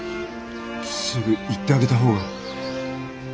すぐ行ってあげた方が。